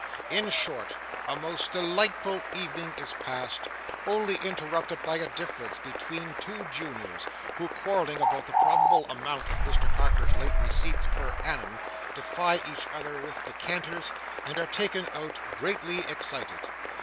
In short, a most delightful evening is passed, only interrupted by a difference between two juniors, who, quarrelling about the probable amount of Mr Carker's late receipts per annum, defy each other with decanters, and are taken out greatly excited.